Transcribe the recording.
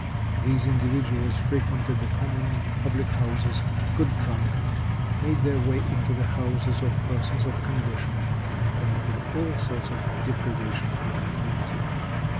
These individuals frequented the common public houses, got drunk, made their way into the houses of persons of condition, and committed all sorts of depredations with impunity.